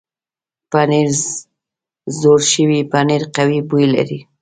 پنېر زوړ شوی پنېر قوي بوی لري.